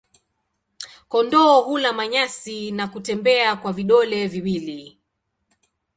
Kondoo hula manyasi na kutembea kwa vidole viwili.